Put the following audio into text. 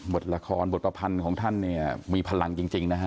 ละครบทประพันธ์ของท่านเนี่ยมีพลังจริงนะฮะ